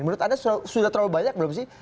menurut anda sudah terlalu banyak belum sih